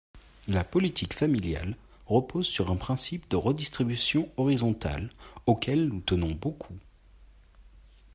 La politique familiale repose sur un principe de redistribution horizontale, auquel nous tenons beaucoup.